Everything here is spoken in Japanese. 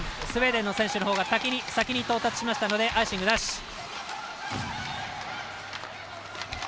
スウェーデンの選手のほうが先に到達しましたのでアイシングなし。